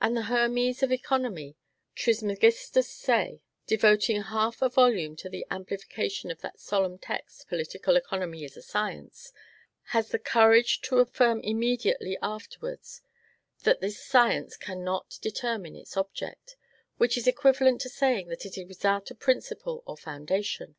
And the Hermes of economy, Trismegistus Say, devoting half a volume to the amplification of that solemn text, political economy is a science, has the courage to affirm immediately afterwards that this science cannot determine its object, which is equivalent to saying that it is without a principle or foundation!